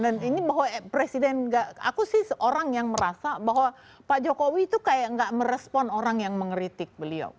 dan ini bahwa presiden nggak aku sih seorang yang merasa bahwa pak jokowi itu kayak nggak merespon orang yang mengeritik beliau